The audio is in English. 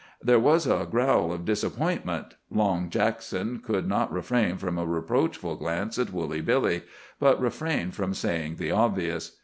There was a growl of disappointment. Long Jackson could not refrain from a reproachful glance at Woolly Billy, but refrained from saying the obvious.